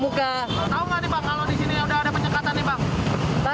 tahu gak nih pak kalau disini udah ada penyekatan nih pak